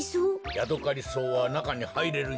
ヤドカリソウはなかにはいれるんじゃよ。